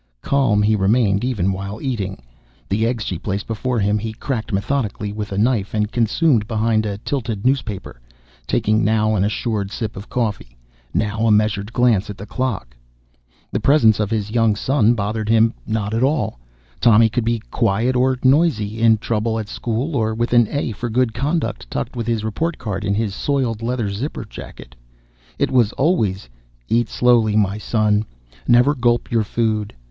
Calm he remained even while eating. The eggs she placed before him he cracked methodically with a knife and consumed behind a tilted newspaper, taking now an assured sip of coffee, now a measured glance at the clock. The presence of his young son bothered him not at all. Tommy could be quiet or noisy, in trouble at school, or with an A for good conduct tucked with his report card in his soiled leather zipper jacket. It was always: "Eat slowly, my son. Never gulp your food.